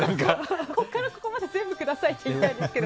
ここからここまで全部くださいって言いたいけど。